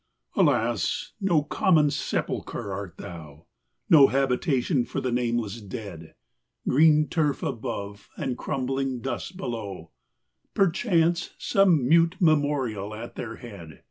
X. Alas, no common sepulchre art thou, No habitation for the nameless dead. Green turf above, and crumbling dust below, Perchance some mute memorial at their head.